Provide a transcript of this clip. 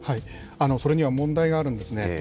それには問題があるんですね。